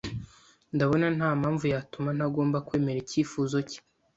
Ndabona ntampamvu yatuma ntagomba kwemera icyifuzo cye.